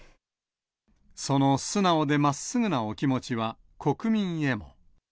その素直でまっすぐなお気持ちは、国民へも。